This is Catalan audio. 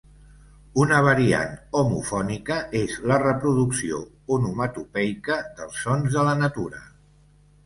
Una variant homofònica és la reproducció onomatopeica dels sons de la natura.